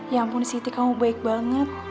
ya ampun city kamu baik banget